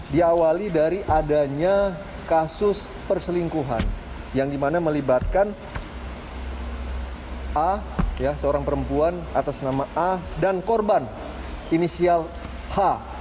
diawali dari adanya kasus perselingkuhan yang dimana melibatkan a seorang perempuan atas nama a dan korban inisial h